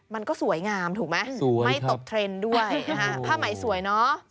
มันก็สวยงามถูกไหมไม่ตกเทรนด์ด้วยผ้าไหมสวยเนอะ